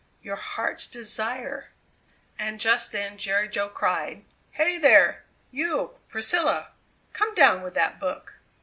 Your Heart's Desire! And just then Jerry Jo cried: "Hey, there! you, Priscilla, come down with that book."